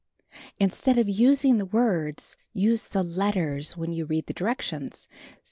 Instead of using the words, use the letters when you read the directions.